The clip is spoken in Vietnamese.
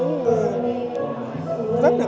các cháu nó không chuyên